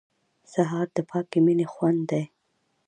سهار د پاکې مینې خوند دی.